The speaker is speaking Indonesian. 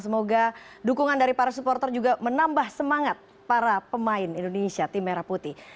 semoga dukungan dari para supporter juga menambah semangat para pemain indonesia tim merah putih